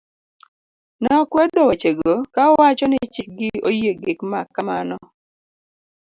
ne okwedo wechego ka owacho ni chik gi oyie gik ma kamano